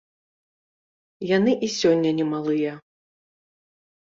Яны і сёння не малыя.